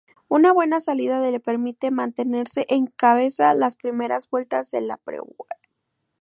Una buena salida le permite mantenerse en cabeza las primeras vueltas de la prueba.